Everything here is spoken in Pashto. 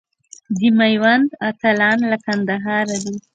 د میوند اتلان له کندهاره دي.